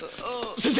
先生！